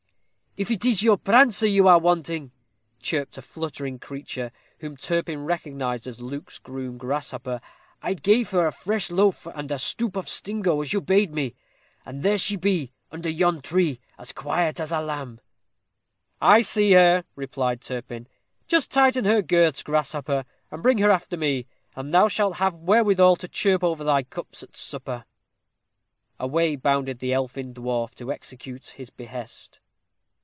"If it's your prancer you are wanting," chirped a fluttering creature, whom Turpin recognized as Luke's groom, Grasshopper, "I gave her a fresh loaf and a stoup of stingo, as you bade me, and there she be, under yon tree, as quiet as a lamb." "I see her," replied Turpin; "just tighten her girths, Grasshopper, and bring her after me, and thou shalt have wherewithal to chirp over thy cups at supper." Away bounded the elfin dwarf to execute his behest.